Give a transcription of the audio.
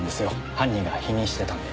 犯人が否認してたので。